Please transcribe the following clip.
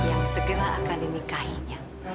yang segera akan dinikahinya